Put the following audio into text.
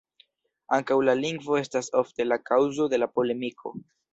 Ankaŭ la lingvo estas ofte la kaŭzo de polemiko.